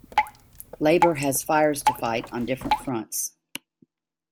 Labour has fires to fight on different fronts.